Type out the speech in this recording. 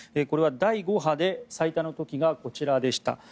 これは第５波で最多の時がこちらでした。